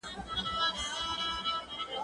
زه چپنه پاک کړې ده!؟